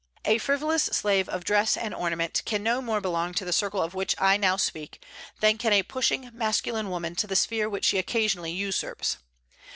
A frivolous slave of dress and ornament can no more belong to the circle of which I now speak, than can a pushing, masculine woman to the sphere which she occasionally usurps.